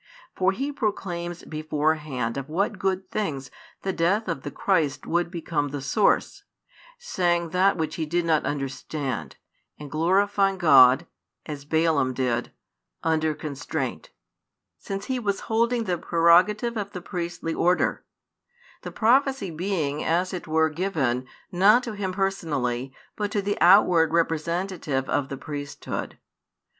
For he proclaims beforehand of what good things the death of the Christ would become the source, saying that which he did not understand, and glorifying God (as Balaam did) under constraint, since he was holding the prerogative of the priestly order: the prophecy being as it were given, not to him personally, but to the outward representative of the priesthood.